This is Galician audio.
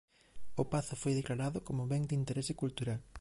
O pazo foi declarado como Ben de Interese Cultural.